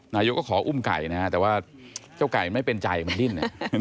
นายกก็ขออุ้มไก่นะฮะแต่ว่าเจ้าไก่ไม่เป็นใจมันดิ้น